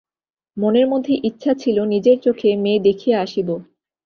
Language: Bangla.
মনের মধ্যে ইচ্ছা ছিল, নিজের চোখে মেয়ে দেখিয়া আসিব।